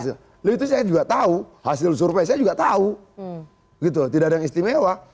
lalu itu saya juga tahu hasil survei saya juga tahu tidak ada yang istimewa